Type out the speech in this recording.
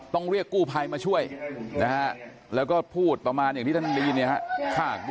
เรียกกู้ภัยมาช่วยนะฮะแล้วก็พูดประมาณอย่างที่ท่านได้ยินเนี่ยฮะ